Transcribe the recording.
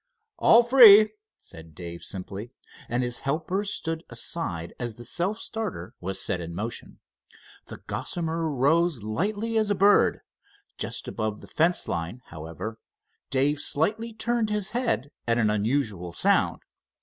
"All free," said Dave simply, and his helpers stood aside as the self starter was set in motion. The Gossamer rose lightly as a bird. Just above the fence line, however, Dave slightly turned his head at an unusual sound.